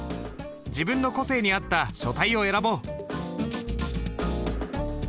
自分の個性に合った書体を選ぼう。